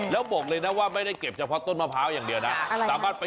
แล้วบอกเลยนะว่าไม่ได้เก็บเฉพาะต้นมะพร้าวอย่างเดียวนะ